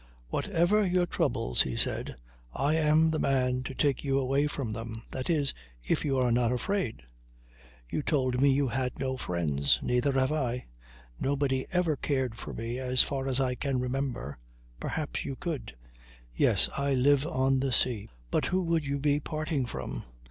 "Whatever your troubles," he said, "I am the man to take you away from them; that is, if you are not afraid. You told me you had no friends. Neither have I. Nobody ever cared for me as far as I can remember. Perhaps you could. Yes, I live on the sea. But who would you be parting from?